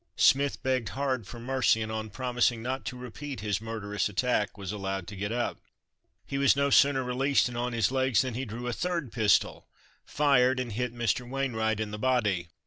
Smith begged hard for mercy, and on promising not to repeat his murderous attack, was allowed to get up. He was no sooner released and on his legs than he drew a third pistol, fired, and hit Mr. Wainwright in the body.